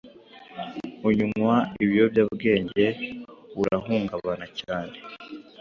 unywa ibiyobyabwenge burahungabana cyane.